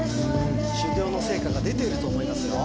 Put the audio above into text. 修業の成果が出ていると思いますよ